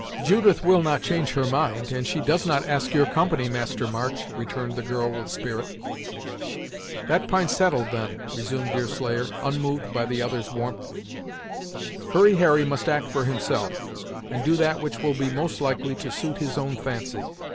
"Judith will not change her mind, and she does not ask your company, Master March," returned the girl with spirit. "That p'int's settled, then," resumed Deerslayer, unmoved by the other's warmth. "Hurry Harry must act for himself, and do that which will be most likely to suit his own fancy.